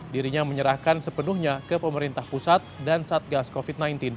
dirinya menyerahkan sepenuhnya ke pemerintah pusat dan satgas covid sembilan belas